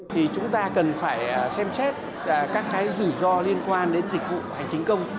thì chúng ta cần phải xem xét các cái rủi ro liên quan đến dịch vụ hành chính công